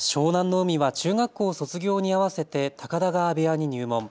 海は中学校を卒業に合わせて高田川部屋に入門。